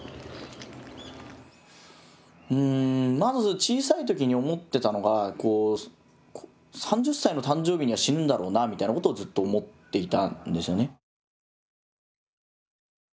うんまず小さい時に思ってたのが３０歳の誕生日には死ぬんだろうなみたいなことをずっと思っていたんですよね。